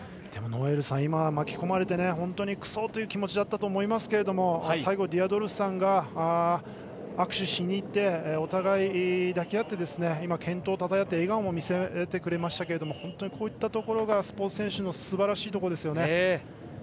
でも、ノエルさん巻き込まれて本当にくそという気持ちだったと思いますけども最後、ディアドルフさんが握手しに行ってお互い抱き合って今、健闘をたたえ合って今、笑顔も見せてくれましたが本当にこういったところがスポーツ選手のすばらしいところです。